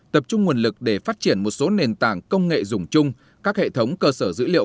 tập trung nguồn lực để phát triển một số nền tảng công nghệ dùng chung các hệ thống cơ sở dữ liệu